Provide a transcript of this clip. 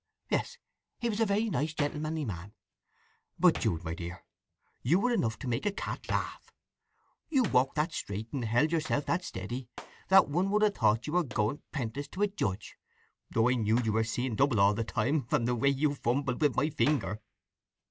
Yes; he was a very nice, gentlemanly man… But, Jude, my dear, you were enough to make a cat laugh! You walked that straight, and held yourself that steady, that one would have thought you were going 'prentice to a judge; though I knew you were seeing double all the time, from the way you fumbled with my finger."